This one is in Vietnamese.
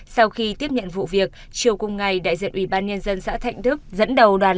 sau khi tiếp nhận vụ việc chiều cùng ngày đại diện ủy ban nhân dân xã thạnh đức dẫn đầu đoàn